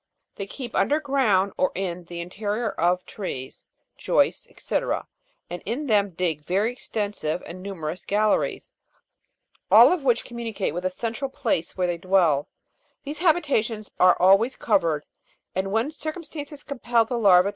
They keep under ground or in the interior of trees, joists, &c., and in them dig very extensive and numerous galleries, all of which communicate with a central place where they dwell ; these habitations are always covered, and when circumstances compel the larva?